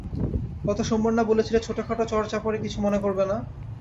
গত সোমবারে না বলেছিলে, ছোটখাটো চড়-চাপড়ে কিছু মনে করবে না।